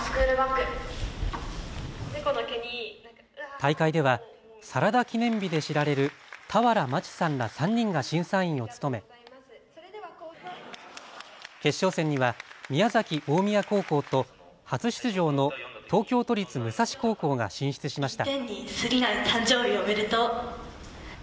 大会ではサラダ記念日で知られる俵万智さんら３人が審査員を務め、決勝戦には宮崎大宮高校と初出場の東京都立武蔵高校が進出しました。